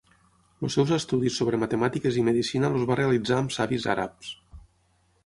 Els seus estudis sobre matemàtiques i medicina els va realitzar amb savis àrabs.